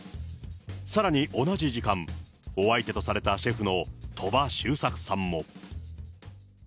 さらに同じ時間、お相手とされたシェフの鳥羽周作さんも。